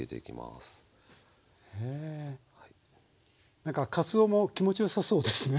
なんかかつおも気持ちよさそうですね。